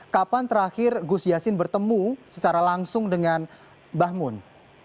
kapan terakhir gus yasin bertemu secara langsung dengan bahmun